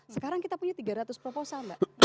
sekarang kita punya tiga ratus proposal mbak